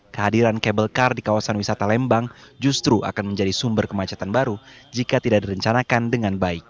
kehadiran kabel kar di kawasan wisata lembang justru akan menjadi sumber kemacetan baru jika tidak direncanakan dengan baik